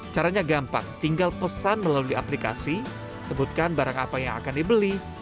caranya gampang tinggal pesan melalui aplikasi sebutkan barang apa yang akan dibeli